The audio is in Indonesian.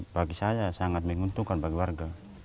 bagi saya sangat menguntungkan bagi warga